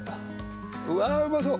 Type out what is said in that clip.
うわあうまそう！